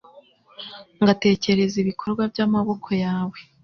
ngatekereza ibikorwa by’amaboko yawe